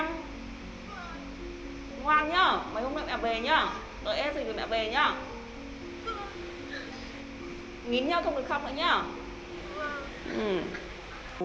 nghín nhá không được khóc nữa nhá